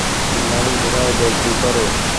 গাড়ী ঘুরাও, জলদি করো।